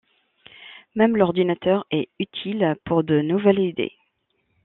Même l'ordinateur est utile pour de nouvelles idées.